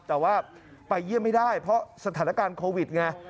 แต่ว่าไปเยี่ยมไม่ได้เพราะสถานการณ์โควิดไง